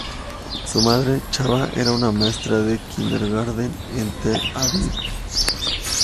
Su madre, Chava, era una maestra de kindergarten en Tel Aviv.